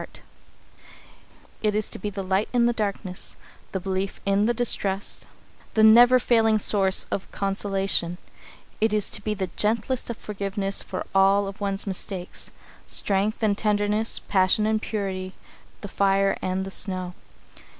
[Sidenote: Fire and Snow] It is to be the light in the darkness, the belief in the distrust, the never failing source of consolation. It is to be the gentlest of forgiveness for all of one's mistakes strength and tenderness, passion and purity, the fire and the snow.